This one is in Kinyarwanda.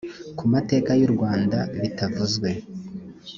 ku mateka y u rwanda bitavuzwe